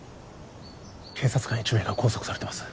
警察官１名が拘束されてます